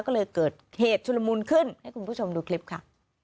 ก็เลยเกิดเหตุชุลมุนขึ้นให้คุณผู้ชมดูคลิปค่ะ